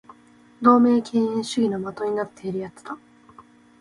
同盟敬遠主義の的になっている奴だ